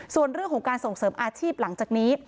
ส่วนเรื่องของการส่งเสริมอาชีพหลังจากนี้